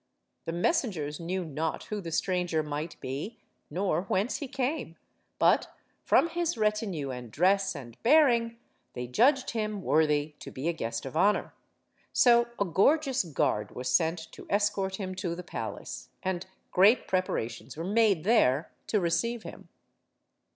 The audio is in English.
The messengers knew not who the stranger might be, nor whence he came. But, from his retinue and dress and bearing, they judged him yrorthy to be a guest of honor. So a gorgeous guard HELEN OF TROY 67 was sent to escort him to the palace, and great prepara tions were made there to receive him.